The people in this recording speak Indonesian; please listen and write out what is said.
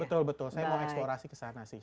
betul betul saya mau eksplorasi kesana sih